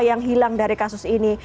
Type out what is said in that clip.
yang hilang dari kasus ini